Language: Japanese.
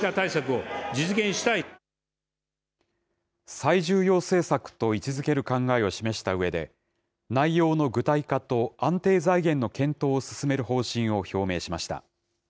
最重要政策と位置づける考えを示したうえで、内容の具体化と安定財源の検討を進める方針を表明しました。